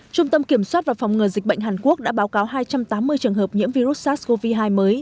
trung tâm kiểm soát và phòng ngừa dịch bệnh hàn quốc đã báo cáo hai trăm tám mươi trường hợp nhiễm virus sars cov hai mới